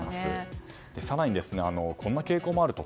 更に、こんな傾向もあると。